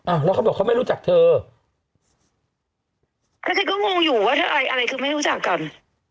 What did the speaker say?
แล้วเขาบอกเขาไม่รู้จักเธอแล้วฉันก็งงอยู่ว่าอะไรอะไรคือไม่รู้จักกัน